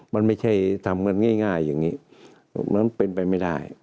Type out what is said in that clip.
มันไม่ใช่ทำกันง่ายอย่างนี้มันเป็นไปไม่ได้